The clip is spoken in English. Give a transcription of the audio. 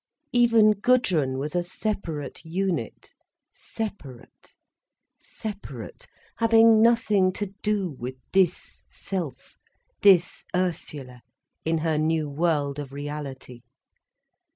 Even Gudrun was a separate unit, separate, separate, having nothing to do with this self, this Ursula, in her new world of reality.